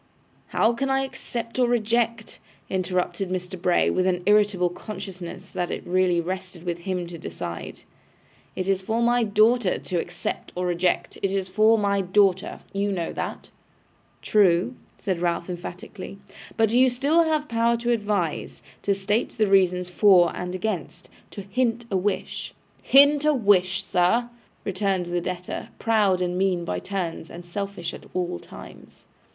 'How can I accept or reject,' interrupted Mr. Bray, with an irritable consciousness that it really rested with him to decide. 'It is for my daughter to accept or reject; it is for my daughter. You know that.' 'True,' said Ralph, emphatically; 'but you have still the power to advise; to state the reasons for and against; to hint a wish.' 'To hint a wish, sir!' returned the debtor, proud and mean by turns, and selfish at all times.